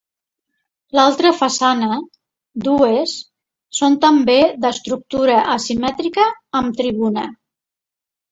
L'altra façana, dues, són també d'estructura asimètrica amb tribuna.